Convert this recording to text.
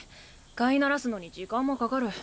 飼いならすのに時間もかかる。